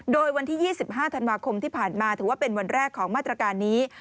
โดยวันที่๒๕ธันวาคมที่ผ่านมาถือว่าเป็นวันแรกของมาตรการนี้